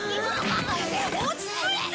落ち着いて！